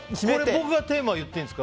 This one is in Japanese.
僕がテーマ言っていいんですか？